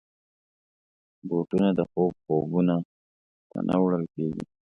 بوټونه د خوب خونو ته نه وړل کېږي.